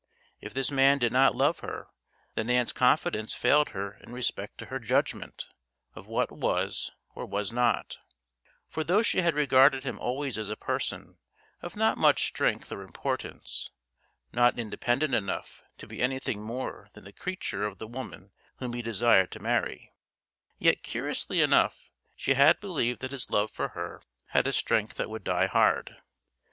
If this man did not love her then Ann's confidence failed her in respect to her judgment of what was or was not; for though she had regarded him always as a person of not much strength or importance, not independent enough to be anything more than the creature of the woman whom he desired to marry, yet, curiously enough, she had believed that his love for her had a strength that would die hard.